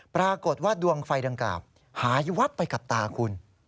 ปรากฏว่าดวงไฟดังกล่าวหายวับไปกับตาคุณ